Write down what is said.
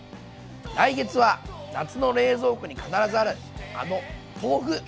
来月は夏の冷蔵庫に必ずあるあの豆腐！